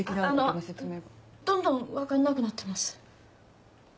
あのどんどん分かんなくなってます。